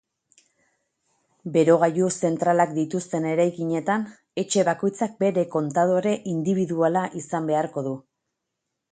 Berogailu zentralak dituzten eraikinetan etxe bakoitzak bere kontadore indibiduala izan beharko du.